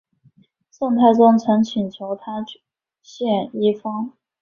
宋太宗曾请求他献医方。